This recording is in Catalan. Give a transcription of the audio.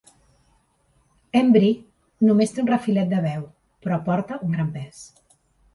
Embry només té un refilet de veu, però aporta un gran pes.